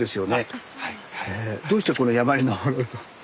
どうしてこの山に登ろうと？